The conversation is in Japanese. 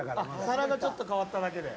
皿がちょっと変わっただけで。